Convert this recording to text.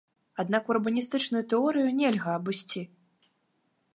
Аднак урбаністычную тэорыю нельга абысці.